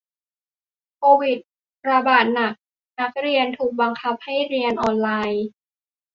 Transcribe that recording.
โควิดระบาดหนัก นักเรียนถูกบังคับให้เรียนออนไลน์